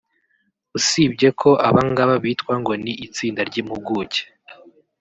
usibye ko abangaba bitwa ngo ni itsinda ry’impuguke